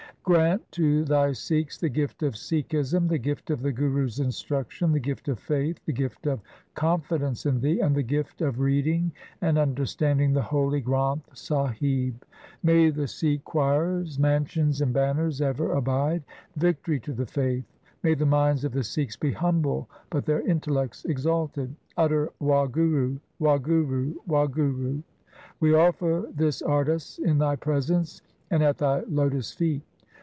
Grant to Thy Sikhs the gift of Sikhism, the gift of the Guru's instruction, the gift of faith, the gift of confidence in Thee, and the gift of reading and understanding the holy Granth Sahib. May the Sikh choirs, mansions, and banners ever abide ! Victory to the faith ! May the minds of the Sikhs be humble but their intellects exalted ! Utter Wahguru ! Wahguru !! Wahguru !!! We offer this Ardas in Thy presence and at Thy lotus feet.